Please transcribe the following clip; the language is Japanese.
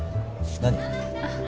何？